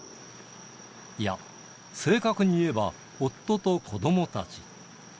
いや、正確に言えば夫と子どもたち。